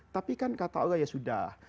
tapi kan kata allah ya sudah